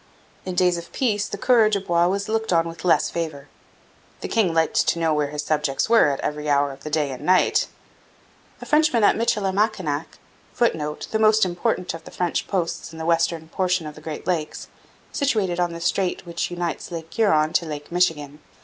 In days of peace the coureur de bois was looked on with less favour. The king liked to know where his subjects were at every hour of the day and night. A Frenchman at Michilimackinac, [Footnote: The most important of the French posts in the western portion of the Great Lakes, situated on the strait which unites Lake Huron to Lake Michigan.